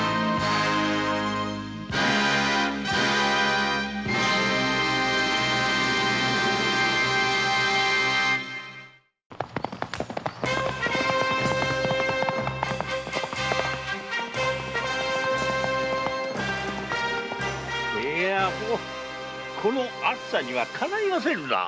いやこの暑さには敵いませんな。